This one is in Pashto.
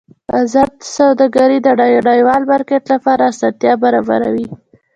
ازاده سوداګري د نړیوال مارکېټ لپاره اسانتیا برابروي.